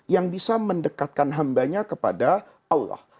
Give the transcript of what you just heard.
yang bisa mendekatkan hambanya kepada allah